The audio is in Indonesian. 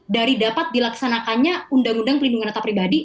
dari dapat dilaksanakannya undang undang pelindungan data pribadi